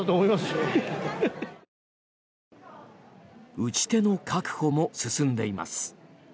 打ち手の確保も進んでいます。